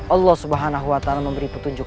allah subhanahu wa ta'ala memberi petunjuk